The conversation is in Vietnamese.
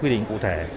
quy định cụ thể